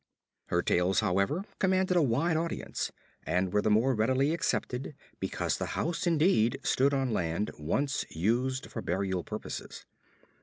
Her tales, however, commanded a wide audience, and were the more readily accepted because the house indeed stood on land once used for burial purposes.